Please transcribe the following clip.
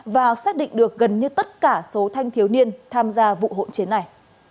và xác định được gần như tất cả số thanh thiếu niên tham gia vụ hỗn chiến này